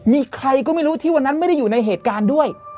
มีใครก็ไม่รู้ที่วันนั้นไม่ได้อยู่ในเหตุการณ์ด้วย